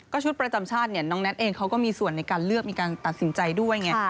ชุดประจำชาติเนี่ยน้องแน็ตเองเขาก็มีส่วนในการเลือกมีการตัดสินใจด้วยไง